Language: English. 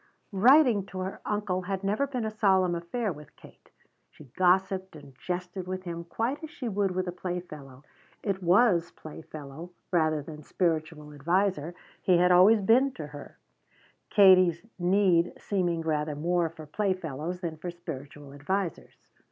Writing to her uncle had never been a solemn affair with Kate. She gossiped and jested with him quite as she would with a playfellow; it was playfellow, rather than spiritual adviser, he had always been to her, Kate's need seeming rather more for playfellows than for spiritual advisers.